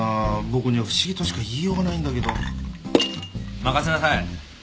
僕には不思議としか言いようがないんだけど任せなさい。